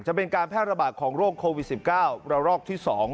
เป็นการแพร่ระบาดของโรคโควิด๑๙ระลอกที่๒